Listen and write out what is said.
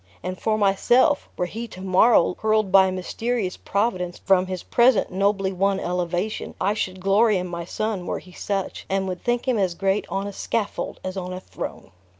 And for myself, were he to morrow hurled by a mysterious Providence from his present nobly won elevation, I should glory in my son were he such, and would think him as great on a scaffold as on a throne."